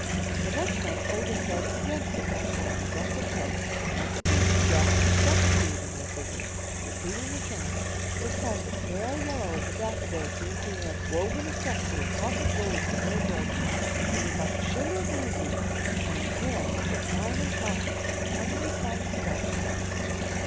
"The next night Olga started again to the castle in her dress of tow, and at the gate she grasped the second bead in her fingers, repeating the charm. This time the pale yellow of the daffodils seemed to have woven itself into a cloth of gold for her adorning. It was like a shimmer of moonbeams, and her hair held the diamond flashings of a hundred tiny stars.